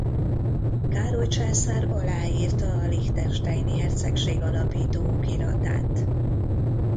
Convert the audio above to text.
Károly császár aláírta a Liechtensteini hercegség alapító okiratát.